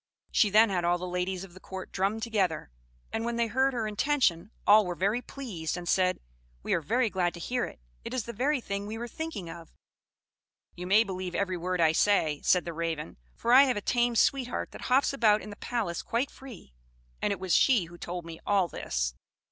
She then had all the ladies of the court drummed together; and when they heard her intention, all were very pleased, and said, 'We are very glad to hear it; it is the very thing we were thinking of.' You may believe every word I say," said the Raven; "for I have a tame sweetheart that hops about in the palace quite free, and it was she who told me all this.